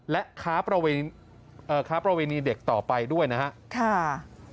และค้าประเวณีเด็กต่อไปด้วยนะครับ